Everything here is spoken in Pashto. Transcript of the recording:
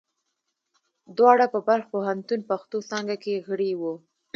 دواړه په بلخ پوهنتون پښتو څانګه کې غړي وو.